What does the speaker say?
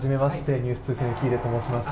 「ｎｅｗｓ２３」の喜入と申します。